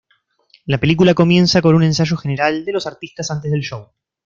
La película comienza con un ensayo general de los artistas antes del show.